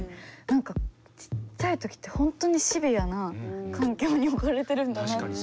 何かちっちゃいときって本当にシビアな環境に置かれてるんだなって。